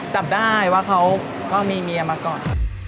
จับได้ว่าเขาก็มีเมียมาก่อน